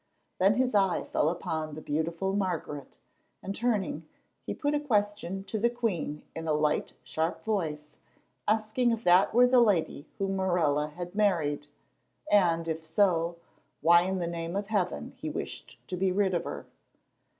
Then his eye fell upon the beautiful Margaret, and, turning, he put a question to the queen in a light, sharp voice, asking if that were the lady whom Morella had married, and, if so, why in the name of heaven he wished to be rid of her.